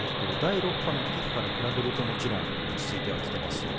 第６波のピークから比べるともちろん落ち着いてはきています。